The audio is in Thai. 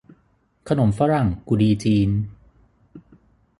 ขนมฝรั่งกุฎีจีน